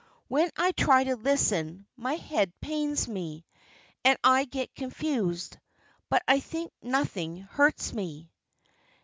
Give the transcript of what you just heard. When I try to listen, my head pains me, and I get confused. But I think nothing hurts me.'"